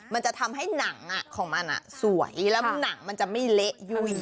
มันจะทำให้หนังของมันสวยแล้วหนังมันจะไม่เละยุ่ย